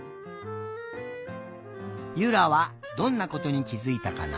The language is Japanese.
ゆらはどんなことにきづいたかな？